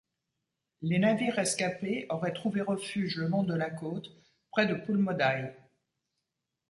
Les navires rescapés auraient trouvé refuge le long de la côte, près de Pulmoddai.